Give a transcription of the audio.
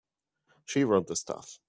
She wrote the stuff.